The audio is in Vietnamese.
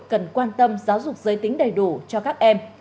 cần quan tâm giáo dục giới tính đầy đủ cho các em